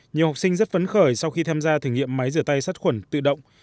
nhiều học sinh rất phấn khởi sau khi tham gia thử nghiệm máy rửa tay sát khuẩn tự động